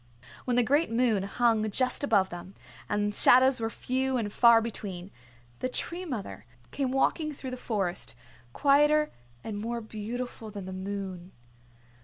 When the great moon hung just above them, and shadows were few and far between, the Tree Mother came walking through the Forest, quieter and more beautiful than the moon.